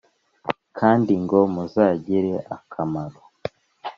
kandi ngo muzangirire akamaro